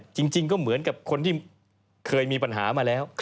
จริงก็เหมือนกับคนที่เคยมีปัญหามาแล้ว